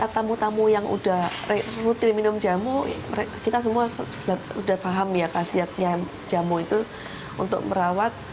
tamu tamu yang udah rutin minum jamu kita semua sudah paham ya khasiatnya jamu itu untuk merawat